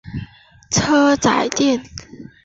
车仔电。